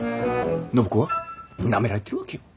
暢子はなめられてるわけよ。